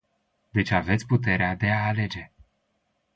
Deci aveți puterea de a alege.